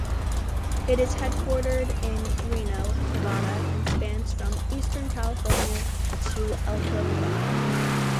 It is headquartered in Reno, Nevada and spans from eastern California to Elko, Nevada.